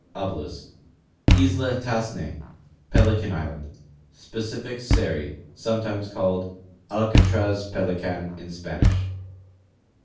t Isla Tas5s'ne (Pelican island) : Specific Seri (sometimes called Alcatraz — Pelican in Spanish).